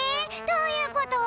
どういうこと？